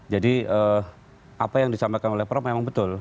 jadi apa yang disampaikan oleh prof memang betul